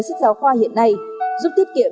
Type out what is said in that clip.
sách giáo khoa hiện nay giúp tiết kiệm